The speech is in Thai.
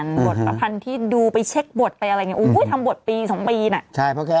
บทบางที่ดูไปเช็คบทไปอะไรเอาหน่อยทำบทพี่ถึงบีนเต็มจากนั้น